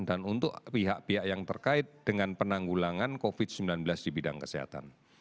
dan untuk pihak pihak yang terkait dengan penanggulangan covid sembilan belas di bidang kesehatan